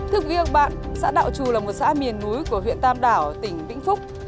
thưa quý vị bạn xã đạo trù là một xã miền núi của huyện tam đảo tỉnh vĩnh phúc